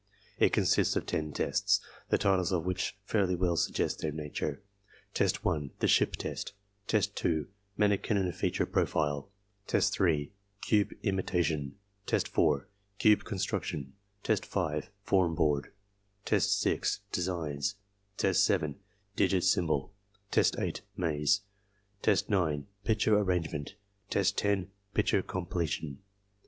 It consists of ten tests, the titles of which fairly well suggest their nature: test 1, the ship test; test 2, manikin and feature profile; test 3, cube imitation; test 4, cube construction; test 5, formboard; test 6, designs; test 7, digit symbol; test 8, maze; test 9, picture arrangement; test 10, picture completion.